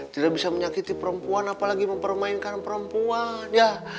tidak bisa menyakiti perempuan apalagi mempermainkan perempuan ya